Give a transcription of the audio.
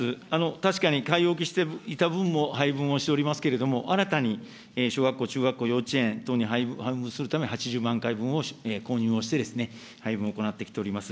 確かに買い置きしていた分も配分をしておりますけれども、新たに小学校、中学校、幼稚園等に配分するために、８０万回分を購入をして配分を行ってきております。